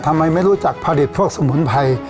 ทำไมไม่รู้จักผลิตพวกสมุนไพร